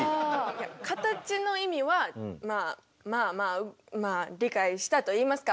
いや形の意味はまあまあまあ理解したといいますか。